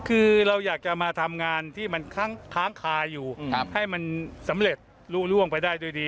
คือเราอยากจะมาทำงานที่มันค้างคาอยู่ให้มันสำเร็จรู้ล่วงไปได้ด้วยดี